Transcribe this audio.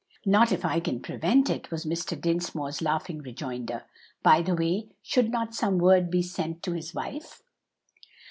"Not if I can prevent it," was Mr. Dinsmore's laughing rejoinder. "By the way, should not some word be sent to his wife?"